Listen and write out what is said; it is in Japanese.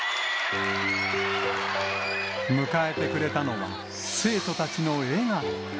迎えてくれたのは、生徒たちの笑顔。